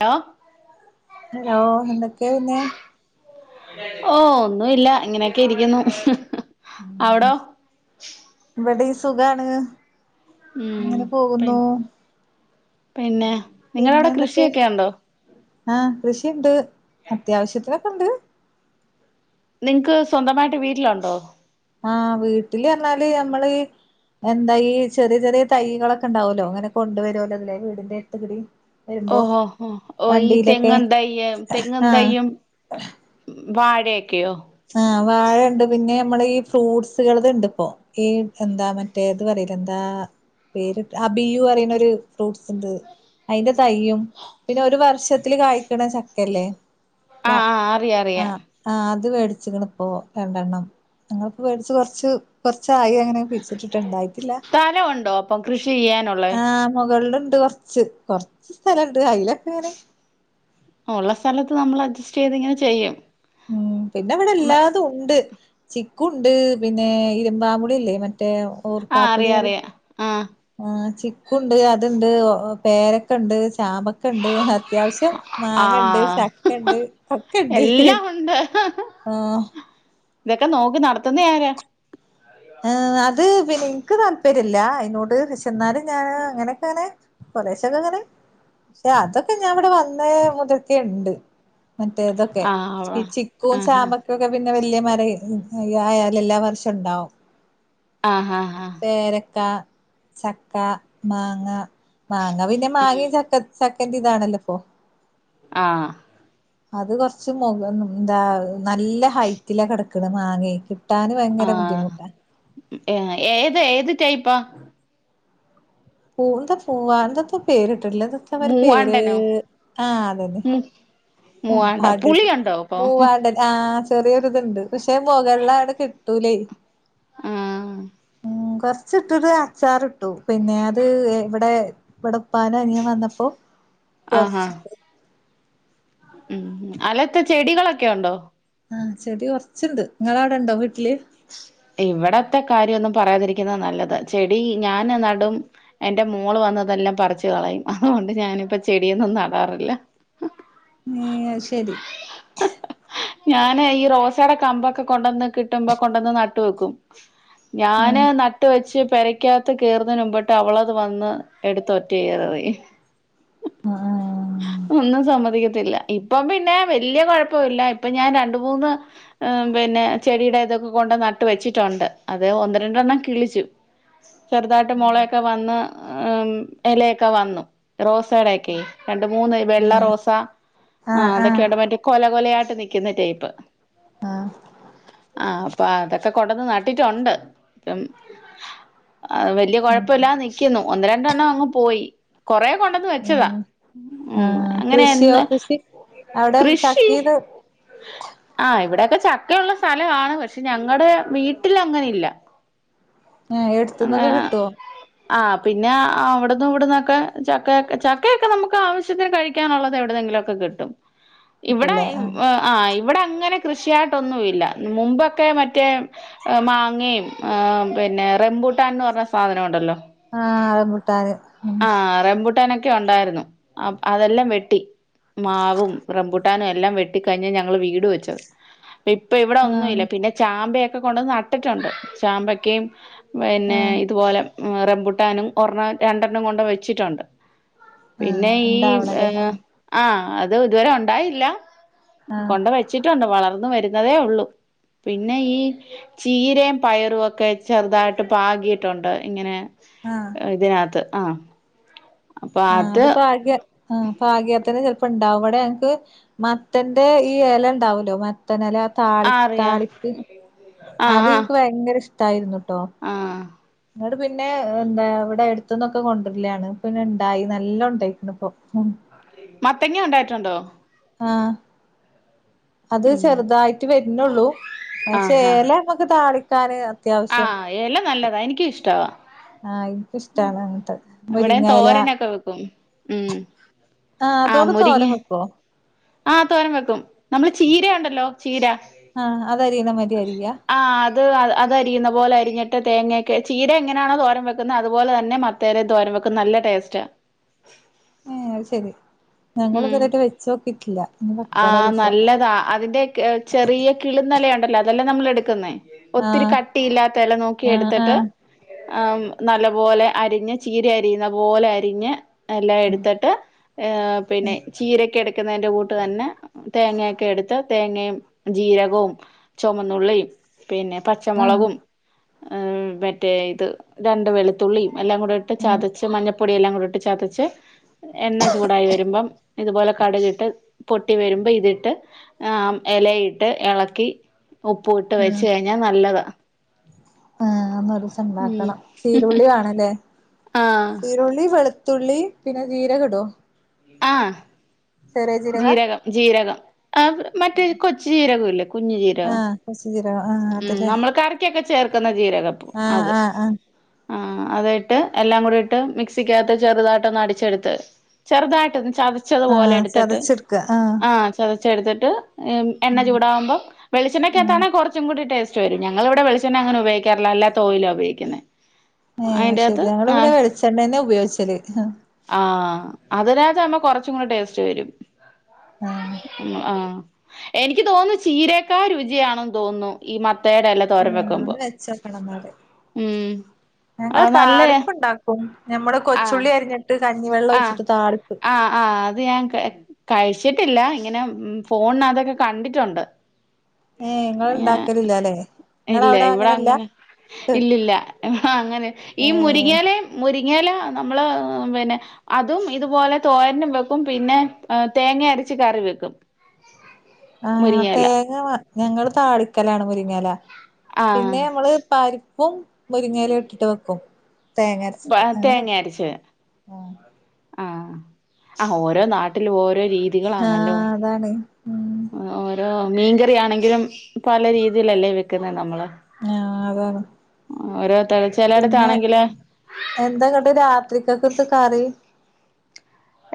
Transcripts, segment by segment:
Law hello എന്തൊക്കെയ പിന്നെ ഓ ഒന്നുല്യ ഇങ്ങനെക്കെ ഇരിക്കുന്നു അവിടോ വിടെ സുഖാണ് ഉം അങ്ങനെ പി പോകുന്നു പിന്നെ നിങ്ങളഅവിടെ കൃഷിയൊക്കെ ഉണ്ടോ ആ കൃഷിയുണ്ട് അത്യാവശ്യത്തിന് ണ്ട് നിങ്ങക്ക് സ്വന്തമായിട്ട് വീട്ടിലുണ്ടോ ആ വീട്ടില് വന്നാല് നമ്മള് എന്താ ഈ ചെറിയ ചെറിയ തൈകളൊക്കെ ഉണ്ടാവല്ലോ അങ്ങനെ കൊണ്ട വരുല്ലോ അതില്ലെ വീടിന്റെ എട്ത്തുകൂടി ഓഹോ ഓ ഓ ഈ തെങ്ങ് തയ്യ് തെങ്ങ് ആഹ് തയ്യും വാഴെ ആഹ് വാഴ ഉണ്ട് പിന്നെ നമ്മളീ ഫ്രൂട്സ്കളത് ഇണ്ട് ഇപ്പോ ഈ എന്താ മറ്റേത് പറയില്ലേ എന്താ പേര് അബിയു പറയുന്ന ഒരു ഫ്രൂട്ട്സ് ഇണ്ട് അയിൻ്റെ തയ്യും പിന്നെ ഒരു വർഷത്തില് കായ്ക്കണ ച ക്കല്ലേ ആഹ് ആഹ് അറിയാ അറിയാ ഇത് വേ ടിച്ചിക്കണ് രണ്ടെണ്ണം ഞങ്ങളിപ്പോ മേടിച്ചു കൊറച്ച് കൊറച്ചായി അങ്ങനെ പിച്ചിട്ടീട്ട് ഇണ്ടായിട്ടല്ലാ സ്ഥലം ഉണ്ടോ അപ്പം കൃഷി ചെയ്യാനുള്ളേ ആ മൊകളില ണ്ട് കൊറച്ച് കൊറച്ച് സ്ഥലൊണ്ട് അയിലൊക്കെ അങ്ങനെ ഒള്ള സ്ഥലത്ത് നമ്മള് അഡ്ജസ്റ്റ് ചെയ്തിങ്ങനെ ചെയ്യും ഉം പിന്നെ അവിടെ എല്ലാതും ഉണ്ട് ചിക്കു ഉണ്ട് പിന്നെ ഇരുമ്പാമ്പുളീല്ലേ മ ആ അറിയാ അറിയാ ആ ആ ചിക്കൂണ്ട് അതുണ്ട് പേരക്കെണ്ട് ചാമ്പക്ക ഇണ്ട് അത്യാവശ്യം മാങ്ങിണ്ട് ആഹ് ചക്കെണ്ട് കക്ക ഇണ്ട് എല്ലാം ഉണ്ട് ആ ഇതൊക്കെ നോക്കി നടത്തുന്നേ ആരാ അത് പി എനിക്ക് താല്പര്യല്ലാ അതിനോട് എന്നാലും ഞാന് അങ്ങനെയൊക്കെങ്ങനെ കൊറേശ്ശെ ക്കെ ഇങ്ങനെ പക്ഷെ അതൊക്കെ ഞാൻവടെ വന്ന മുതൽക്കെണ്ട്. മറ്റേതൊക്കെ. ആഹ് ഈ ചിക്കും ചാ ആഹ് മ്പക്യൊക്കെ പിന്നെ വല്യ മര [unintelligible] ആയാല് എല്ലാ വർഷം ഇണ്ടാവും. ആഹ് ആഹ് പേരക്കാ, ചക്കാ, മാങ്ങാ, മാങ്ങ പിന്നെ ഉം മാങ്ങയും ചക്ക ച ക്കൻ്റിം ഇതാണല്ലോ ഇപ്പോ. ആ അത് കൊറച്ച് മുക എന്താ നല്ല ഹൈറ്റിലാ കെടക്കണ് മാങ്ങേ കിട്ടാന് ഭയങ്കര ബുദ്ധിമു ഏ ഏതാ ഏത് ടൈപ്പാ? പൂവ് എന്താ പൂവാ എന്തത്താ പേര് ട്ട്ട്ട് ല്ലത്. ദെത്താ പ്പയിൻ്റെ പേര് മൂവാണ്ടനോ ആ അതന്നെ മു മൂ മൂവാണ്ട മൂവാണ്ടൻ.. പുളിയുണ്ടോ അപ്പൊ മൂവാണ്ടൻ ആ ചെറിയൊരിതുണ്ട് പക്ഷെ മൊകളിലായതോണ്ട് കിട്ടൂലേ ആഹ് [unintelligible] [unintelligible] അച്ചാറ് ഇട്ടു പിന്നെ അത് ഇവിടെ ഇവിടെ ഇപ്പന്റെ അനിയൻ വന്നപ്പോ ആഹാ കൊറച്ച് ഉം അല്ലെ ഇത്ത ചെടികളൊക്കെ ഉണ്ടോ ആഹ് ചെടി കുറച്ചുണ്ട് നിങ്ങളെ അവിടെ ഉണ്ടോ വീട്ടില് ഇവിടത്തെ കാര്യമൊന്നും പറയാതിരിക്കുന്നതാ നല്ലത് ചെടി ഞാൻ നടും എന്റെ മോൾ വന്നതെല്ലാം പറിച്ചു കളയും അതുകൊണ്ട് ഞാനിപ്പോ ചെടിയൊന്നും നടാറില്ല ശരി ഞാന് ഈ റോസയുടെ കമ്പൊക്കെ കൊണ്ടൊന്ന് കിട്ടുമ്പോ കൊണ്ടന്ന് നട്ട് വെക്കും ആഹ് ഞാന് നട്ട് വെച്ച് പെരക്കാത്ത് കേറുന്നതിനു മുമ്പട്ട് അവളത് വന്ന് എടുത്ത് ഒറ്റ ഏറ് എറിയും ആഹ് ഒന്നും സമ്മതിക്കത്തില്ല ഇപ്പം പിന്നെ വല്യ കുഴപ്പമില്ല ഇപ്പൊ ഞാൻ രണ്ട് മൂന്ന് പിന്നെ ചെടിയുടേക്കെ കൊണ്ട് നട്ട് വെച്ചിട്ടുണ്ട് അത് ഒന്ന് രണ്ടെണ്ണം കിളിച്ചു ചെറുതായിട്ട് ആഹ് മൊളയൊക്കെ വന്ന് ഉം എലയൊക്കെ വന്നു റോസെടയക്കെ രണ്ട് മൂന്ന് വെള്ള ആഹ് റോസ ആ ആഹ് ആഹ് അതൊക്കെയുണ്ട് മറ്റേ കൊല കൊലായിട്ട് നിക്ക്ന്ന ടൈപ്പ് ആ പ്പ അതൊക്കെ കൊണ്ടന്ന് നട്ടിട്ടൊണ്ട് ആ വെല്യ കൊഴപ്പില്ലാ നിക്കുന്നു ഒന്ന് രണ്ടെണ്ണങ്ങ് പോയി കൊറേ കൊണ്ടന്ന് വെച്ചതാ ആഹ് ഉം ആഹ് കൃഷിയോ അങ്ങനെയെന്നും കൃഷി അവിടെ കൃഷി ചക്കീത് ഹ് ആ ഇവടെ ഇപ്പ ചക്കയുള്ള സ്ഥല ആണ് പ ഞങ്ങടെ വീട്ടിലങ്ങനെയില്ല ആ ഏട്ത്ത്ന്നൊക്കെ കിട്ടോ ആ പിന്നെ അവിടന്നിവിടുന്നൊക്കെ ചക്കയൊ ചക്കയൊക്കെ നമുക്കാവശ്യത്തിന് കഴിക്കാനുള്ളത് എവിടെന്നെങ്കിലൊക്കെ കിട്ടും ഇവിടെ കിട്ടൂല്ലേ ഇ ആഹ് ആ് അ ഇവിടെ അങ്ങനെ കൃഷിയായിട്ടൊന്നുംല്ല മുമ്പൊ ക്കെ മറ്റേ ഏ മാങ്ങയും ഏ പിന്നെ റെംബൂട്ടാൻന്നറഞ്ഞ സാധനുണ്ടല്ലോ ആ റെംബൂട്ടാന് ഉം ക്കെ ഒണ്ടായിരുന്നു അപ്പ അതെല്ലാം വെട്ടി മാവും റെംബൂട്ടാനെല്ലാം വെട്ടി കയിഞ്ഞ് ഞങ്ങള് വീട് വെച്ചത് ഇപ്പൊ ഇവിടെ ആഹ് ഒന്നുംല്ല്യ പിന്നെ ചാമ്പയൊക്കെ കൊണ്ടന്ന് നട്ടിട്ടുണ്ട് ചാമ്പക്കയും പിന്നെ ആഹ് ഇതുപോലെ ആ റെംബുട്ടാനും ഒരെണ്ണം രണ്ടെണ്ണം കൊണ്ട് വെച്ചിട്ടൊണ്ട് ആഹ് പിന്നെ ഈ ഏ ഇണ്ടാവണല്ലേ ആഹ് ആ അത് ഇതുവരെ ഒണ്ടായില്ല ആഹ് കൊണ്ട് വെച്ചിട്ടുണ്ട് വളർന്ന് വരു അതേ ഉള്ളു പിന്നെ ഈ ചീരയും പയറും ഒക്കെ ചെറുതായിട്ട് പാകിയിട്ടുണ്ട് ഇങ്ങനേ ആഹ് ഇതിനകത്ത് ആഹ് അപ്പൊ ആഹ് അത് അതപ്പൊ ആകെ ആഹ് പാഗ്യത്തിന് ചി പണ്ടാവ അവിടെങ്ങക്ക്. മത്തന്റെ ഈ എലയിണ്ടാവുലൊ മത്തനെല താളി ആ അറിയാ താളിപ്പ് ആഹ് അത് ആഹ് എന്ക്ക് ഭയങ്കര ഇഷ് തായിരുന്നു ട്ടോ ആഹ് ന്ന്ട് പിന്നേ എന്താ ഇവിടെ അടുത്തന്നൊക്കെ കൊണ്ടരലണ്. പിന്നെ ഇണ്ടായി. നല്ലൊം ഇണ്ടായ്ക്കീണുപ്പൊ മത്തങ്ങാ ഉണ്ടായിട്ടുണ്ടോ ആഹ് അത് ഉം ചെറുതായിട്ട് വര്നൊള്ളു ആഹ് ആഹ് ചേല ഒകെ താളി കരയൊ ആഹ് എല നല്ലത എനിക്കിഷ്ടവാ. ആഹ് എനിക്കിഷ്ടാണ് അങ്ങനത്തെ ഇവിടെയും മുരിങ്ങയില തോരനൊക്കെ വെക്കും ഉം ആഹ് അതോട് മുരിങ്ങ തോരൻ വെക്കോ ആഹ് തോരം വെക്കും നമ്മള് ചീര ഉണ്ടല്ലൊ ചീര ആഹ് അതരിയ്ന്ന മരി അരിയ ത് അത് അരിയുന്ന പോലെ അരിഞ്ഞിട്ട് തേങ്ങക്കെ. ചീര എങ്ങനാണോ തോരം വെക്ക്ന്നെ അതുപോലെ തന്നെ മത്തേര തോരം വെക്കു നല്ല ടേസ്റ്റ ആഹ് അത് ശരി ഞങ്ങള് ഉം ഇതുവരായിട്ട് വെച്ച് നോക്കിട്ടില്ല ഇനി വെക്കണം ആഹ് ഒരീസം നല്ലതാ അതിന്റെ ഏഹ് ചെറിയ കിള്ന്നെലയുണ്ടല്ലൊ അതെല്ലാം നമ്മള് ടുക്ക്ന്നെ ഒത്തിരി ആഹ് കട്ടിയില്ലാത്തെല നോക്കി ആഹ് എടുത്തട്ട് ആഹ് ആമ് നല്ല പോലെ അരിഞ്ഞ്. ചീരയരിയുന്ന പോലെ അരിഞ്ഞ് എല്ല എടുത്തിട്ട് എപ് നെ ചീരൊക്കെ ട്ക്കുന്നതിന്റെ കൂട്ട് തന്നെ തേങ്ങ ഒക്കെ എടുത്ത് തേങ്ങയും ജീരകവും ചുമന്നുള്ളിം പിന്നെ ആഹ് പച്ചമൊളകും ഏമ് മറ്റേ ഇത് രണ്ട് വെളുത്തുള്ളിം എല്ലാം കൂടെട്ട് ചതച്ച് മഞ്ഞപ്പൊടി എല്ലാം കൂടെട്ട് ച ചതച്ച് എണ്ണ ചൂടായി വരു പൊട്ടി വരുമ്പൊ ഇതിട്ട് ആ എലയിട്ട് എള ക്കി ഉപ്പു ഇട്ട് വെച്ച് ആഹ് കഴിഞ്ഞാ നല്ലതാ ആഹ് ഒന്ന് ഒരീസം ഉം ഉണ്ടാക്കണം ചീരുള്ളി വേണല്ലേ ആഹ് ചീരുള്ളി വെളുത്തുള്ളി പിന്നെ ജീരകടോ ആഹ് ജീരകം ജീരകം ആ മറ്റേ കൊച്ചു ജീരകം ല്ലേ ആ കൊച്ച് ജീരാ ഉം നമ്മൾ കറിക്കൊക്കെ ചേർക്കുന്ന ജീ ജീരകം ആഹ് അത് ആഹ് ആഹ് ആ ആ അത് ഇട്ട് എല്ലാം കൂടി ഇട്ട് മിക്സിക്കാത്ത് ചെറുതായിട്ടൊന്ന് അടിച്ചെടുത്ത് ചെറുതായിട്ട് ഒന്ന് ചതച്ചതു പോലെ ആഹ് എടുത്തിട്ട് ചതച്ചെടുക്ക ആഹ് ആ ചതച്ചെടുത്തി- [unintelligible] മ് എണ്ണ ചൂടകുമ്പോ ഉം വെളിച്ചെണ്ണയ്ക്കകത്താണെ കൊറച്ച് ടേസ്റ്റ് വരും ഞങ്ങളിവിടെ വെളിച്ചെണ്ണ അങ്ങനെ ഉപോഗിക്കാറില്ല അല്ലാത്തോയിലാ ഉപോഗിക്കുന്നത് ഏ അത്ശെരി ഞങ്ങവിടെ വെളിച്ചെണ്ണേന്നേ ഉപ് ഉപയോഗിച്ചല് ആഹ് അതിനാത്താവുമ്പോ കൊറച്ചും കൂടെ ടേസ്റ്റ് വരും ഉം ആ എനിക്ക് തോന്നുന്നു ചീരയെക്കാ രുചിയാണെന്ന് തോന്നുന്നു ഈ മത് ത്തേടെല തോരൻ ആഹ് വെക്കുമ്പോ ഒന്ന് വെച്ചോക്കണം എന്നാല് ഉം അത് നല്ല നമ്മള് കൊച്ചുള്ളി അരിഞ്ഞിട്ട് കഞ്ഞിവെള്ളം ആ ഒഴിച്ചിട്ട് താളിപ്പ് ആ ആ അത് ഞാൻ കഴി കഴിച്ചിട്ടില്ല ഇങ്ങനെ ഫോണിനാ ത്തൊക്കെ കണ്ടിട്ടുണ്ട് ഏഹ് ഇങ്ങള് ഇണ്ടാക്കലില്ലാല്ലേ ഇല്ല ഇങ്ങളവിടെ ഇവിടെ അങ്ങനെല്ല അങ്ങനെ ഇല്ലില്ല അങ്ങനെ ഈ ഏഹ് മുരിങ്ങിയലേ മുരിങ്ങ മുരിങ്ങയില നമ്മള് പിന്നെ അതുംഇതുപോലെ തോരനുംവെക്കും പിന്നെ തേങ്ങഅരച്ച് കറിവെക്കും ആ തേങ്ങ ഞങ്ങള് താളിക്കലാണ് മുരിങ്ങല ആഹ് പിന്നെ നമ്മള് പരിപ്പും മുരിങ്ങയില ഇട്ടിട്ട് വെക്കും തേങ്ങ അരച്ചിട്ട് അങ്ങനെവെക്കും ആ ആ ആ ഓരോ നാട്ടിലും ഓരോ ആ രീതികളാണല്ലോ അതാണ് ഉം മീൻകറിയണെങ്കിലും പല രീതിയിലല്ലേ വെക്കുന്നത് നമ്മള് [unintelligible] ഓരോരുത്തര് പിന്നെ ചെലയിടത്താണെങ്കില് എന്താ ങ്ങട്ട് രാത്രിക്കൊക്കെ കറി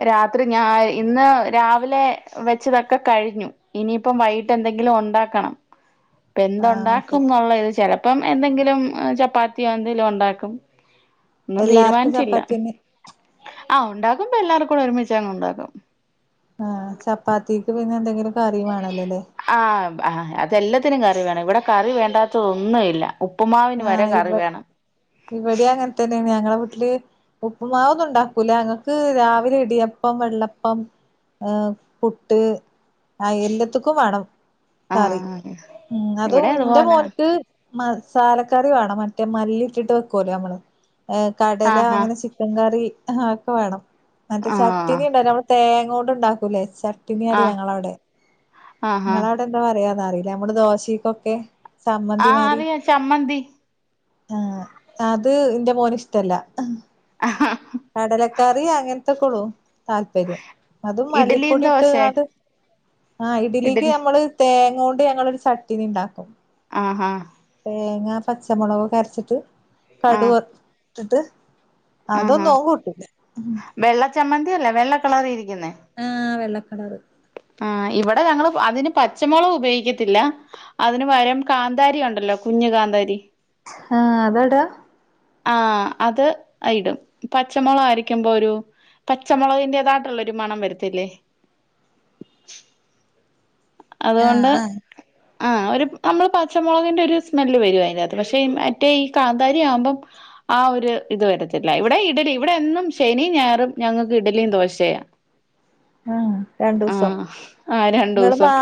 രാത്രി ഞാ ഇന്ന് രാവിലെ വെച്ചതൊക്കെ കഴിഞ്ഞു ഇനിയിപ്പം വൈകിട്ട് എന്തെങ്കിലും ഉണ്ടാക്കണം ഇപ്പ ആഹ് എന്തുണ്ടാക്കും ശരി എന്നുള്ള ഇത് ചിലപ്പോ അപ്പം എന്തെങ്കിലും ചപ്പാത്തിയോ എന്തെലും ഉണ്ടാക്കും ഒന്നും എല്ലാർക്കും തീരുമാനിച്ചില്ല ചപ്പാത്തി തന്നെ ആ ഉണ്ടാക്കുമ്പോ എല്ലാർക്കും കൂടി ഒരുമിച്ച അങ്ങ് ഉണ്ടാക്കും ആ ചപ്പാത്തിക്ക് പിന്നെ എന്തെങ്കിലും കറി വേണല്ലോല്ലേ ആ ആ അതല്ലാ ത്തിനും കറി വേണം ഇവിടെ കറി വേണ്ടാത്തതൊന്നും ഇല്ല ഉ ആ ഇവി ഇവിടെ അങ്ങനെ തന്നെയാണ് ഞങ്ങള വീട്ടില് ഉപ്പ്മാവൊന്നും ഉണ്ടാക്കൂല അങ്ങക്ക് രാവിലെ ഇടിയപ്പം വെള്ളപ്പം ഏ പുട്ട് എല്ലത്തക്കും വേണം ആ കറി ഉം അത് ഇവിടെ എന്റെ അതുപോലെ മോനിക്ക് മ സാലക്കറി വേണം മറ്റേ മല്ലി ഇട്ടിട്ട് വെക്കല്ലോ നമ്മള് ഏ കടല ആഹാ അങ്ങനെ ചിക്കൻ കറി ആ ഒക്കെ വേണം മറ്റേ ആ ചട്ട്നി ഉണ്ടല്ലോ നമ്മൾ തേങ്ങ ണ്ട് ഉണ്ടാക്കൂല്ലേ ചട്ട് ആ നറിയിം ഞങ്ങളവിടെ ആ ആ ങ്ങള അവിടെ എന്താ പറയാ അറില്ല നമ്മള് ദോശക്കൊക്കെ ചമ്മന്തി മാതിരി മ്മന്തി ആ അത് ഇന്റെ മോന് ഇഷ്ടല്ല ആഹ കറി അങ്ങനത്തെക്കെ ഉള്ളു താല്പര്യം അതും ഇഡ്ലിയും മല്ലിപ്പൊടി ദോശേ ഇട്ട്ക്കാണ്ട് ആഹ് ഇഡലിക്ക് ഇഡ്ലി നമ്മള് തേങ്ങ ണ്ട് ഞങ്ങളൊരു ചട്ടിനി ഉണ്ടാക്കും ആ ഹാ തേങ്ങാ പച്ചമുളകൊക്കെ അരച്ചിട്ട് കടു ആഹ് വർ ഇട്ടിട്ട് ആഹാ അതൊന്നും അവൻ കൂട്ടില്ല ല്ല വെള്ള കളറിൽ ഇരിക്ക കുന്നെ കളറ് ആ് ഇവിടെ ഞങ്ങള് അതിന് പച്ചമുളക് ഉപയോഗിക്കത്തില്ല അതിന് പരം കാന്താരി ഉണ്ടല്ലോ കുഞ്ഞഞ് കാന്താരി ആഹ അതാടാ ആഹ അത് ഇടും പച്ചമുളക് അരക്കുമ്പോ ഒരു പച്ചമുളക്ന്റാതായിട്ടുള്ള ഒരു മണം വരിത്തില്ലേ ആ ആഹ ആ ഒരു നമ്മൾ പച്ചമുളകിൻ്റെ ഒരു സ്മെൽ വരും അതിന്റെ അകത്ത് പക്ഷേ മറ്റേ ഈ കാന്താരിയാവുമ്പോം ആ ഒരു ഇത് വരത്തില്ല ഇവിടെ ഇഡലി ഇവിടെ എന്നും ശനിയും ഞായറും ഞങ്ങൾക്ക് ഇഡലിയും ദോശയാ ആഹ് രണ്ടു ദിവസം ആഹ് ആഹ് നിങ്ങള് രണ്ടൂസം മാ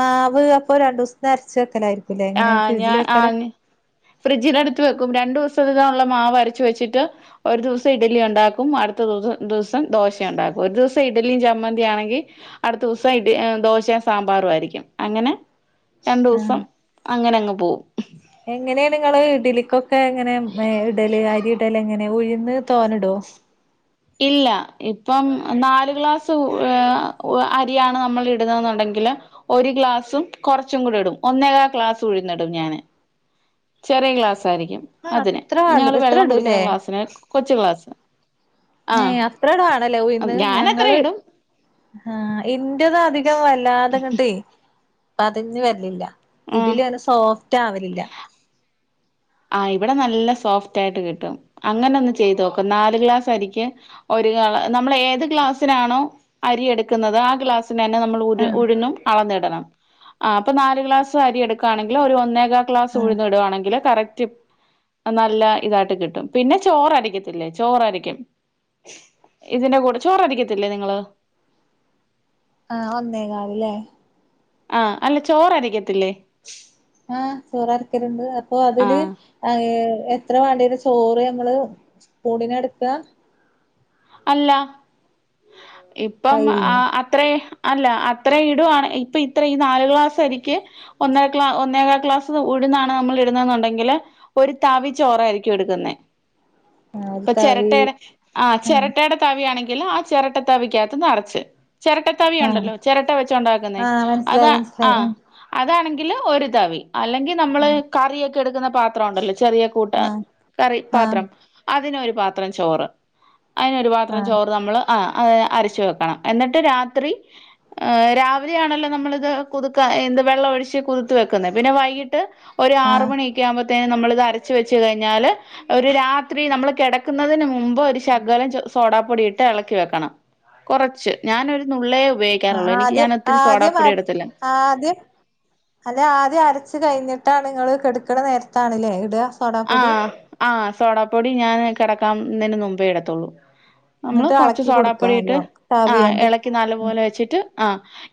മാവ് അപ്പോ രണ്ട് ദിവസത്തിന് അരച്ച് വെക്കലായി ആഹ ഞാൻ ആ ഞാ ഫ്രിഡ്ജിനടുത്ത് വെക്കും രണ്ടു ദിവസത്തിനുള്ള മാവ് അരച്ചു വെച്ചിട്ട് ഒരു ദിവസം ഇഡലി ഉണ്ടാക്കും അടുത്ത ദിവസം ദിസം ദോശ ഉണ്ടാക്കും ഒരു ദിവസം ഇഡലിയും ചമ്മന്തിയാണെങ്കിൽ അടുത്ത ദിവസം ഇഡ ദോശയും സാമ്പാറും ആയിരിക്കും അങ്ങനെ രണ്ടു ദിവസം അങ്ങനെ അങ്ങ് പോവും എങ്ങനെണ് നിങ്ങള് ഇഡ്ലിക്കൊ എങ്ങനെ ഇടൽ അരി എങ്ങനെ ഉഴുന്ന് തോന്നടോ ഇല്ല ഇപ്പം നാലു ഗ്ലാസ് അരിയാണ് നമ്മൾ ഇടുന്നെന്നുണ്ടെങ്കില് ഒരു ഗ്ലാസും കുറച്ചും കൂടി ഇടും ഒന്നേക്കാ ഗ്ലാസ് ഉഴുന്നിടും ഞാന് ചെറിയ ഗ്ലാസ് സാരിക്കും ആഹ് അതിന് അത്ര വേണ്ട ഞങൾ ഇത്ര വെള്ളം കുടിക്കുന്ന ഇടൂല്ലേ ക്ലാസിന് കൊച്ചു ഗ്ലാസ്‌ ഏ അത്ര മാണല്ലേ ഉഴുന്ന് ഞാനത്ര ഞങ്ങൾ ഇടും ആഹ ഇ ന്റേത് അധികം വല്ലാതെഅങ്ങട്ട് പതഞ്‌ വരലില്ല ആഹ് ഇതിൽ ഒന്ന് സോഫ്റ്റ് ആവലില്ല ആ ഇവിടെ നല്ല സോഫ്റ്റ് ആയിട്ട് കിട്ടും അങ്ങനെ ഒന്ന് ചെയ്ത് നോക്ക് നാല് ഗ്ലാസ് അരിക്ക് ഒരു ഗ്ലാ നമ്മൾ ഏത് ഗ്ലാസ്സിനാണോ അരിയെടുക്കുന്നത് ആ ഗ്ലാസ് തന്നെ നമ്മൾ ഉരു ആഹ് ഉഴുന്നും അളന്നിടണം ആ അപ്പൊ നാൽ ഗ്ലാസ് അരി എടുക്കുകയാണെങ്കിൽ ഒരു ഒന്നേ കാ ക്ലാസ് ആഹ് ഉഴുന്ന് ഇടാണെങ്കിൽ കറക്റ്റ് നല്ല ഇതായിട്ട് കിട്ടും പിന്നെ ചോർ അരക്കത്തില്ലേ ചോർഅരക്കും ഇതിന്റെ കൂടെ ചോർ അര ക്കത്തില്ലേ നിങ്ങള് ആഹ ഒന്നേ കാലല്ലേ ആ അല്ല ചോറരിക്കത്തില്ലേ ആഹ ചോർ അരക്കലുണ്ട് അപ്പൊ അതില് ആഹ് ആ എത്ര വേണ്ടിവരും ചോർ സ്പൂണിന് എടുക്കാ അല്ല ഇപ്പം ആ കയ്യിൽന്നോ അത്ര അല്ല അത്ര ഇടുവാണ് ഇപ്പൊ ഇത്ര ഈ നാല് ക്ലാസ് ആരിക്ക് ഒന്നേ കാ ക്ലാസ് ഉഴുന്നാണ് നമ്മൾ ഇടുന്നെന്നുണ്ടെങ്കില് ഒരു തവി ചോറായിരിക്കും എടുക്കുന്നത് ആഹ് ഒരു ഇപ്പൊ തവി ചിരട്ടയുടെ ആ ആഹ് ചിരട്ട തവിയയാണെങ്കിലിൽ ആ ചിരട്ട തവിക്കകത്ത് നിറച്ച് ചിരട്ട ആഹ് തവിയുണ്ടല്ലോ ചിരട്ട വെച്ച് ഉണ്ടാക്കുന്നേ ആഹ് മനസ്സിലായി അതാ ആ മനസ്സിലായി അതാണെങ്കിൽ ഇല്ല, ഒരു തവി അല്ലെങ്കി നമ്മള് ആഹ് കറിയക് എടുക്കുന്ന പാത്രം ഒണ്ടല്ലോ ചെറിയ കൂട്ടണ ആഹ് കറി പാത്രം, ആഹ് അതിനൊരു പാത്രം ചോറ് അയിനൊരു പാത്രം ആഹ് ചോറ് നമ്മള്, ആ. അതിന് അരച്ചു വെക്കണം എന്നിട്ട് രാത്രി ഏ രാവിലെ ആണല്ലോ നമ്മളിത് കുതുക്കാ എന്ത് വെള്ളം ഒഴിച്ച് കുതിത്ത് വെക്കുന്നത് പിന്നെ വൈകിട്ട് ഒരു ആറ് ആഹ് മണി ഒക്കെ ആകുമ്പഴത്തേന് നമ്മളിതരച്ചുവെച്ച് കഴിഞ്ഞാല് ഒരു രാത്രി നമ്മൾ കെടക്കുന്നതിന് മുമ്പ് ഒരു ശ കലം ച് സോഡാപ്പൊടിയിട്ട് എളക്കിവെക്കണം, കൊറച്ച്, ഞാനൊരു നുള്ളേ ആ ഉപയോഗിക്കാറുള്ളൂ എനിക്ക് ആദ്യം ഞാൻ ഒത്തിരി സോഡാപ്പൊടി ആദ്യംഅര ഇടത്തില്ല ആദ്യം ഹലോ ആദ്യം അരച്ച് കഴിഞ്ഞിട്ട് ട്ടാ നിങ്ങള് കെടക്കണ നേരത്താണല്ലേ ഇട്വ. ആ ആ സോഡാപ്പൊടി ഞാന് കെടക്കാംന്നേനു മുമ്പേ ഇടത്തുള്ളൂ. നമ്മള് ഇങ്ങട്ട് കൊറച്ച് എളക്കി കൊടുക്ക സോഡാപ്പൊടിയിട്ട് നല്ലോണം ആ താവിയോണ്ട് എളക്കി നല്ല ഉം പോലെ വെച്ചിട്ട് ആ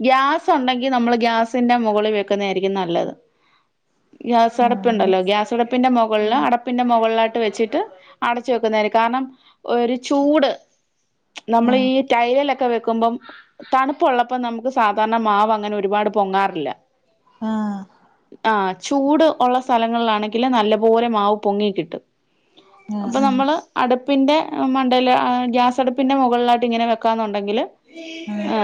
ഗ്യാസ് ഒണ്ടെങ്കി നമ്മൾ ഗ്യാസിന്റെ മുകളിൽ വെക്കുന്നയായിരിക്കും നല്ലത്. ഗ്യാസ ആ അങ്ങനെ അടുപ്പുണ്ടല്ലോ ഗ്യാസടുപ്പിന്റെ മൊക് ള്ള അടുപ്പിന്റെ മോ മുകളിലായിട്ട് വെച്ചിട്ട് അടച്ച് വെക്കുന്നന് കാരണം ഒരു ചൂട് ആ നമ്മൾ ഈ ടൈലേലൊക്കെ വെ ക്കുമ്പം തണുപ്പള്ളപ്പോ നമുക്ക് സാധാരണ മാവ് അങ്ങനെ ഒരുപാട് പൊങ്ങാറില്ല. ആ ആ ആ ചൂട് ഉള്ള സ്ഥലങ്ങളിലാണെങ്കിൽ നല്ല പോലെ മാവ് പൊങ്ങിക്കിട്ടും. ആ അപ്പൊ ആ നമ്മള് അടു പ്പിൻ്റെ മണ്ടേല് ഗ്യാസടുപ്പിൻ്റെ മുകളിലായിട്ട് ഇങ്ങനെ വെക്കാന്നുണ്ടെങ്കിൽ ആ